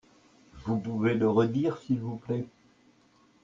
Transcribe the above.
Vous pouvez le redire s'il vous plait ?